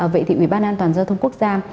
vậy thì ủy ban an toàn giao thông quốc gia